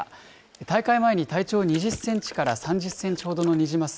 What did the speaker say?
大会前に体長２０センチから３０センチほどのニジマス